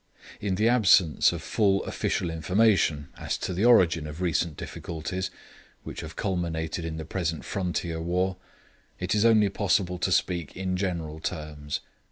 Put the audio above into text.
In the absence of full official information as to the origin of recent difficulties, which have culminated in the present frontier war, it is only possible to speak in general terms.